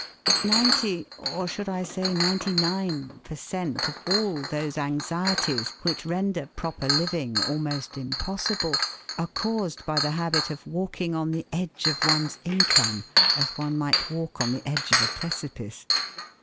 Ninety or should I say ninety nine? per cent. of all those anxieties which render proper living almost impossible are caused by the habit of walking on the edge of one's income as one might walk on the edge of a precipice.